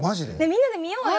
みんなで見ようよ。